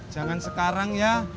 jangan sekarang ya